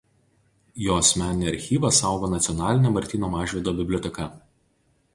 Jo asmeninį archyvą saugo Nacionalinė Martyno Mažvydo biblioteka.